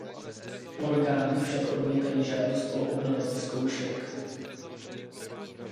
Orgány však odmítají žádost o obnovení zkoušek.